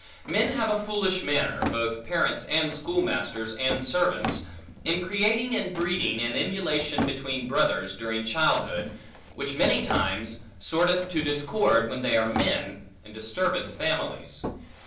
Men have a foolish manner (both parents and schoolmasters and servants) in creating and breeding an emulation between brothers, during childhood, which many times sorteth to discord when they are men, and disturbeth families.